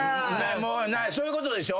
そういうことでしょ？